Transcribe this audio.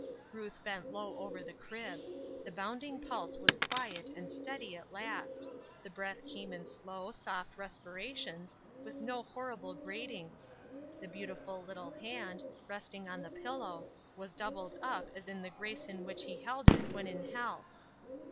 Ruth bent low over the crib. The bounding pulse was quiet and steady at last ; the breath came in slow, soft respirations, with no horrible gratings; the beautiful little hand, resting on the pillow, was doubled up as in the grace in which he held it when in health.